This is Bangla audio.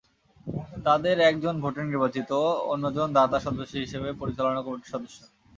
তাঁদের একজন ভোটে নির্বাচিত, অন্যজন দাতা সদস্য হিসেবে পরিচালনা কমিটির সদস্য।